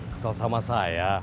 kesel sama saya